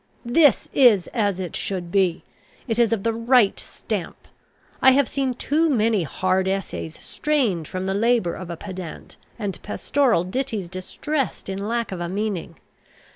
this is as it should be. It is of the right stamp. I have seen too many hard essays strained from the labour of a pedant, and pastoral ditties distressed in lack of a meaning.